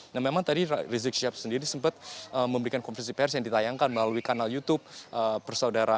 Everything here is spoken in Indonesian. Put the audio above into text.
nah memang tadi rizik syihab sendiri sempat memberikan konversi pers yang ditayangkan melalui kanal youtube persaudaraan